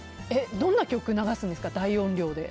どんな曲を流すんですか大音量で。